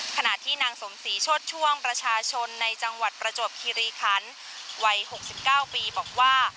ขณะที่นางสมศรีโชดช่วงประชาชนในจังหวัดประจวบคิริคันวัย๖๙ปีบอกว่า